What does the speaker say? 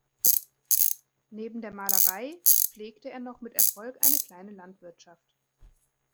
Neben der Malerei pflegte er noch mit Erfolg eine kleine Landwirtschaft.